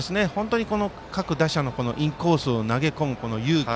各打者のインコースに投げ込む勇気。